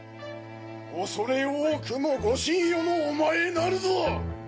恐れ多くもご神輿の御前なるぞ！